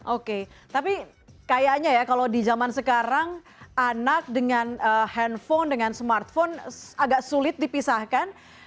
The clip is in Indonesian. oke tapi kayaknya ya kalau di zaman sekarang anak dengan handphone dengan smartphone agak sulit dipisahkan